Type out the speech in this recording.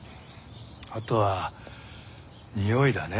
あとは匂いだね。